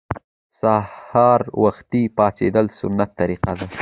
سهار وختي پاڅیدل سنت طریقه ده